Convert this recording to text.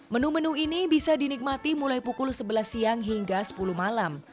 menu menu ini bisa dinikmati mulai pukul sebelas siang hingga sepuluh malam